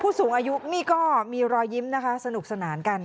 สูงอายุนี่ก็มีรอยยิ้มนะคะสนุกสนานกัน